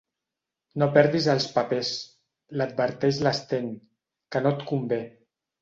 No perdis els papers —l'adverteix l'Sten—, que no et convé.